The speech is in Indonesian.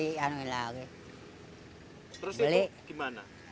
terus itu gimana